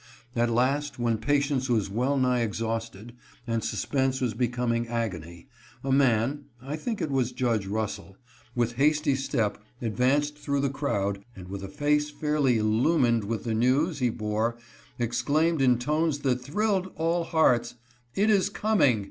At last, when patience was well nigh exhausted, and suspense was becoming agony, a man (I think it was Judge Russell) with hasty step ad vanced through the crowd, and with a face fairly illumined with the news he bore, exclaimed in tones that thrilled all hearts, " It is coming